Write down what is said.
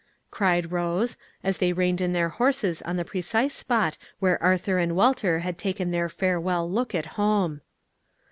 cried Rose, as they reined in their horses on the precise spot where Arthur and Walter had taken their farewell look at home.